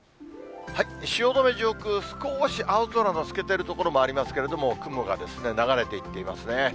汐留上空、少し青空の透けている所もありますけれども、雲が流れていっていますね。